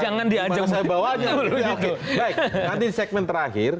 baik nanti di segmen terakhir